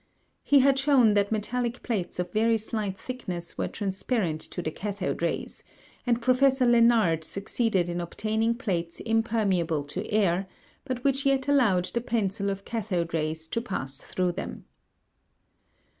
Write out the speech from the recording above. He had shown that metallic plates of very slight thickness were transparent to the cathode rays; and Professor Lenard succeeded in obtaining plates impermeable to air, but which yet allowed the pencil of cathode rays to pass through them.